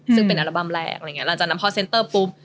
ซึ่งเป็นอัลบั้มแรกอะไรอย่างนี้หลังจากนั้นพอเซ็นเตอร์ปุ๊บ